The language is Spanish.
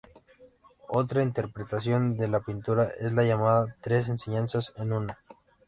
Otra interpretación de la pintura es la llamada "Tres enseñanzas en una"'.